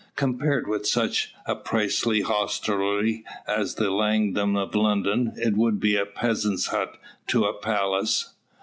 Compared with such a princely hostelry as the "Langham" of London, it would be as a peasant's hut to a palace.